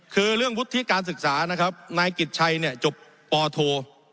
คือเรื่องวุฒิการศึกษานะครับนายกิจชัยเนี่ยจบปโท